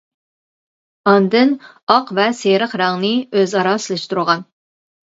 ئاندىن ئاق ۋە سېرىق رەڭنى ئۆز ئارا سېلىشتۇرغان.